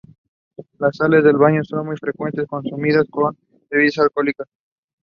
He was also known as Hamdi the ostentatious.